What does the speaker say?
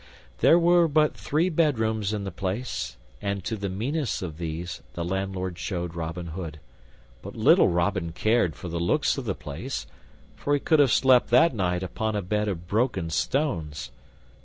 There were but three bedrooms in the place, and to the meanest of these the landlord showed Robin Hood, but little Robin cared for the looks of the place, for he could have slept that night upon a bed of broken stones.